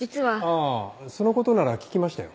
あぁそのことなら聞きましたよ。